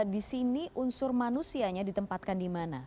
disini unsur manusianya ditempatkan dimana